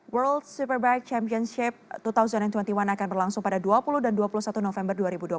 world superbike championship dua ribu dua puluh satu akan berlangsung pada dua puluh dan dua puluh satu november dua ribu dua puluh